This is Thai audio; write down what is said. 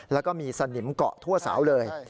แล้วก็มีสนิมเกาะทั่วเสาเลย